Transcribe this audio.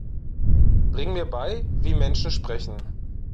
Bring mir bei, wie Menschen sprechen!